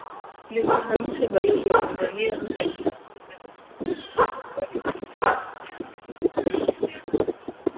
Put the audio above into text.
tulimfahamisha balozi wa tanzania hapa mombasa jana usiku tulipopata habari hizi jioni ya jana